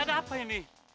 hei ada apa ini